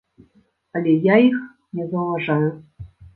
Але я іх не заўважаю.